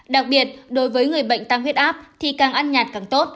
đặc biệt đối với người bệnh tăng huyết áp thì càng ăn nhạt càng tốt